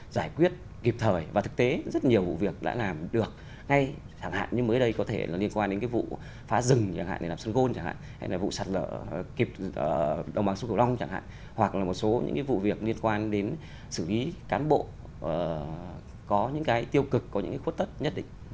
giải quyết kịp thời và thực tế rất nhiều vụ việc đã làm được ngay chẳng hạn như mới đây có thể là liên quan đến cái vụ phá rừng chẳng hạn như là sân gôn chẳng hạn hay là vụ sạt lở kịp long chẳng hạn hoặc là một số những cái vụ việc liên quan đến xử lý cán bộ có những cái tiêu cực có những cái khuất tất nhất định